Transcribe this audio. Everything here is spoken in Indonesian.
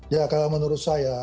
ya kalau menurut saya